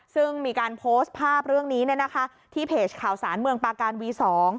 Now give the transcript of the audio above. ซึ่งมีการโพสต์ภาพเรื่องนี้ที่เพจข่าวสารเมืองปาการวี๒